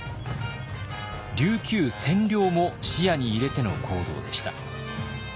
琉球占領も視野に入れての行動でした。